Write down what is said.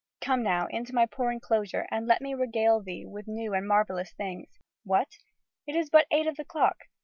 Come, now, into my poor enclosure and let me regale thee with new and marvellous things.... What! it is but eight o' the clock!